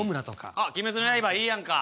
あ「鬼滅の刃」いいやんか。